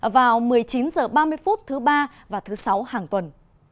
vào một mươi chín h ba mươi phút thứ ba và thứ sáu hàng tuần